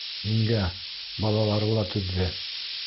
Еңгә, балалары ла түҙҙе.